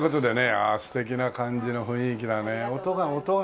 ああ素敵な感じの雰囲気だね。